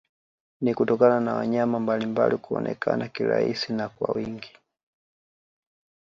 Ni kutokana na wanyama mbalimbali kuonekana kirahisi na kwa wingi